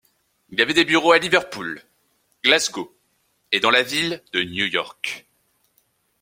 Il avait des bureaux à Liverpool, Glasgow et dans la Ville de New York.